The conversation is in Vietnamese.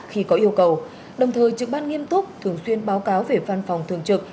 khi có yêu cầu đồng thời trực ban nghiêm túc thường xuyên báo cáo về văn phòng thường trực